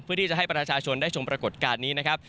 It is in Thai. เพื่อที่จะให้ประชาชนได้ชมปรากฏการณ์นี้นะครับ